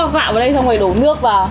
cũng cho gạo vào đây xong rồi đổ nước vào